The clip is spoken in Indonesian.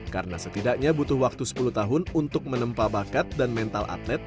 karena setidaknya butuh waktu sepuluh tahun untuk menempa bakat dan mental atlet